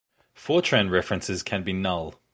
Fortran references can be null.